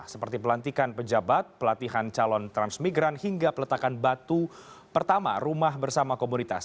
seperti pelantikan pejabat pelatihan calon transmigran hingga peletakan batu pertama rumah bersama komunitas